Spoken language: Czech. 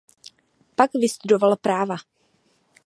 Pak vystudoval práva.